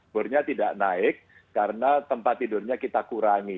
bornya tidak naik karena tempat tidurnya kita kurangi